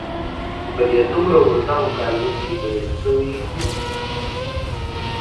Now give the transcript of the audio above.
په دې دومره اوږده مکالمه کې به یې څه ویلي وي.